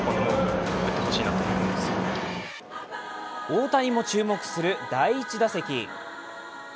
大谷も注目する第１打席。